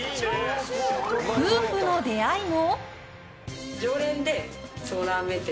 夫婦の出会いも。